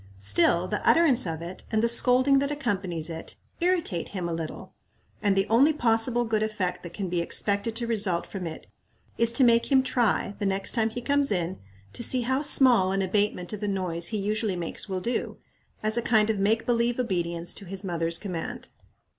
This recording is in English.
Still, the utterance of it, and the scolding that accompanies it, irritate him a little, and the only possible good effect that can be expected to result from it is to make him try, the next time he comes in, to see how small an abatement of the noise he usually makes will do, as a kind of make believe obedience to his mother's command.